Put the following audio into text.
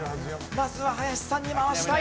まずは林さんに回したい。